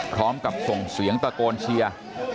พร้อมกับส่งเสียงตะโกนเชียร์